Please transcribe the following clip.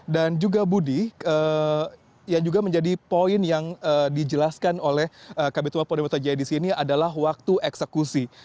dan juga budi yang juga menjadi poin yang dijelaskan oleh kabinet pondi metro jaya di sini adalah waktu eksekusi